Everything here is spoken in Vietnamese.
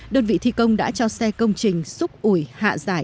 đơn vị thi công đã cho xe công trình xúc ủi hạ giải